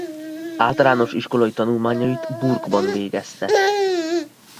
Általános iskolai tanulmányait Burgban végezte.